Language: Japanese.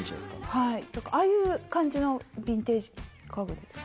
はいああいう感じのビンテージ家具ですか？